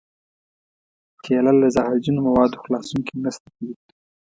کېله له زهرجنو موادو خلاصون کې مرسته کوي.